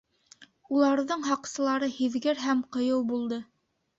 Уларҙың һаҡсылары һиҙгер һәм ҡыйыу булды